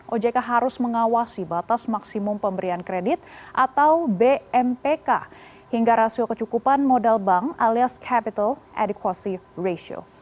ojk harus mengawasi batas maksimum pemberian kredit atau bmpk hingga rasio kecukupan modal bank alias capital ediquive ratio